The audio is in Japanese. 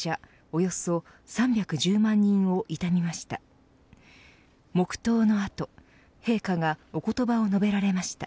およそ３１０万人を悼みました。